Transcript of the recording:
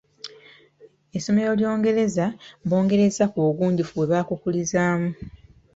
Essomero lyongereza bwongereza ku bugunjufu bwe baakukulizaamu.